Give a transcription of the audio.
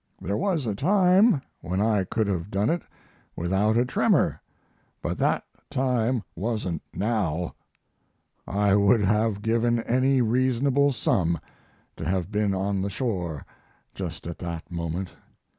There was a time when I could have done it without a tremor, but that time wasn't now. I would have given any reasonable sum to have been on the shore just at that moment.